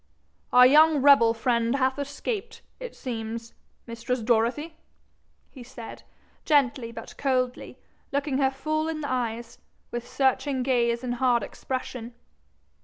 'Our young rebel friend hath escaped, it seems, mistress Dorothy!' he said, gently but coldly, looking her full in the eyes, with searching gaze and hard expression.